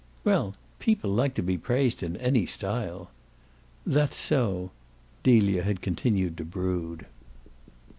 "Well, people like to be praised in any style." "That's so," Delia had continued to brood.